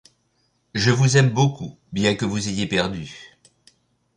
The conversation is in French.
Je vous aime beaucoup, bien que vous ayez perdu.